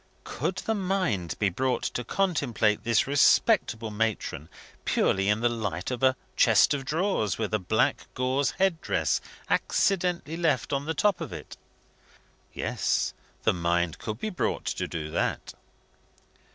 Could the mind be brought to contemplate this respectable matron purely in the light of a chest of drawers, with a black gauze held dress accidentally left on the top of it? Yes, the mind could be brought to do that.